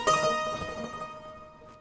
bapak apa yang kamu lakukan